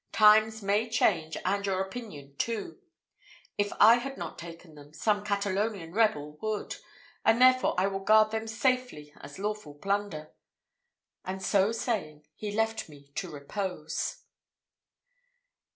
Times may change, and your opinion too. If I had not taken them, some Catalonian rebel would, and therefore I will guard them safely as lawful plunder," and so saying, he left me to repose.